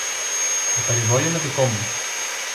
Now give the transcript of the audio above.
Το περιβόλι είναι δικό μου